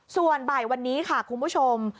ส่วนบ่ายวันนี้ค่ะคุณผู้ชม